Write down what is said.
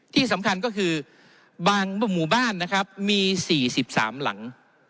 ที่สำคัญก็คือบางหมู่บ้านนะครับมี๔๓หลัง